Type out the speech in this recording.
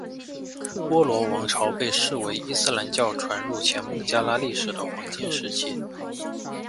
波罗王朝被视为伊斯兰教传入前孟加拉历史的黄金时期。